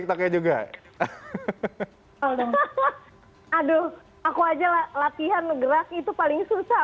kenapa tanya obleh bahasa indonesia hal ini sih kok gak dihent bleiben berpersama